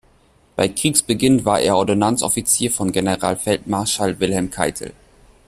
Bei Kriegsbeginn war er Ordonnanzoffizier von Generalfeldmarschall Wilhelm Keitel.